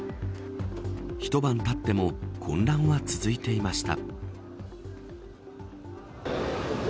一晩たっても混乱は続いていました。